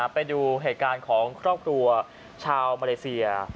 ไปดูเหตุการณ์ของครอบครัวชาวมาเลเซีย